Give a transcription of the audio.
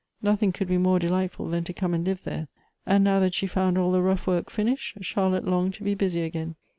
Nothing could be more delightful than to come and live there, and now that she found all the rough work finished, Charlotte longed to be busy again.